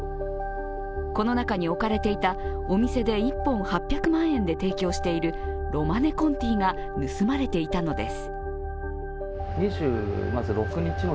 この中に置かれていたお店で１本８００万円で提供しているロマネコンティが盗まれていたのです。